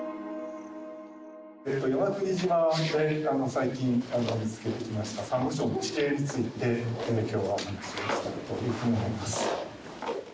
与那国島で最近見つけてきましたサンゴ礁の地形について、きょうはお話をしたいというふうに思います。